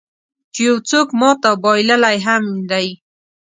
چې یو څوک مات او بایللی هم دی.